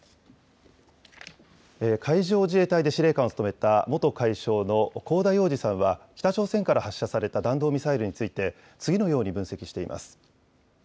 海上自衛隊で司令官を務めた元海将の香田洋二さんは、北朝鮮から発射された弾道ミサイルについて、次のように分析しています。